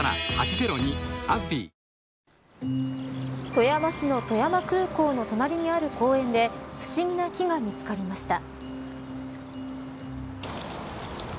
富山市の富山空港の隣にある公園で不思議な木が見つかりました。